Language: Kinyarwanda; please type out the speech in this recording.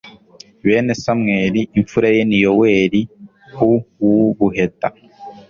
bene samweli imfura ye ni yoweli uw ubuheta